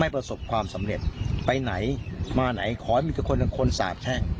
ประสบความสำเร็จไปไหนมาไหนขอให้มีคนหนึ่งคนสาบแช่ง